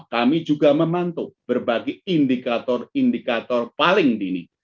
kami juga memantau berbagai indikator indikator paling dini